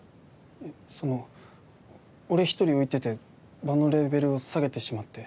えっその俺一人浮いてて場のレベルを下げてしまって。